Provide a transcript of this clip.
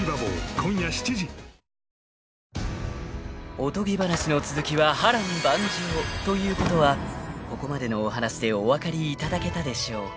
［おとぎ話の続きは波瀾万丈ということはここまでのお話でお分かりいただけたでしょう］